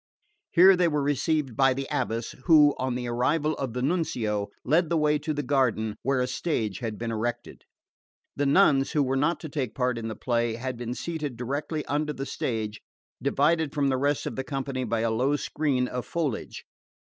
Here they were received by the abbess, who, on the arrival of the Nuncio, led the way to the garden, where a stage had been erected. The nuns who were not to take part in the play had been seated directly under the stage, divided from the rest of the company by a low screen of foliage.